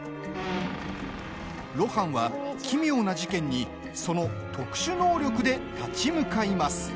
露伴は、奇妙な事件にその特殊能力で立ち向かいます。